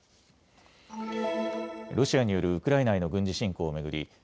ロシアによるウクライナへの軍事侵攻を巡り